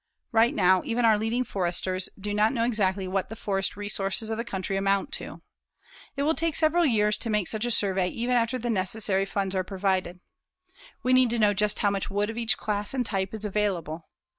Right now, even our leading foresters do not know exactly what the forest resources of the country amount to. It will take several years to make such a survey even after the necessary funds are provided. We need to know just how much wood of each class and type is available.